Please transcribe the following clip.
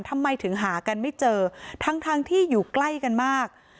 ทำไมถึงหากันไม่เจอทั้งที่อยู่ใกล้กันมาก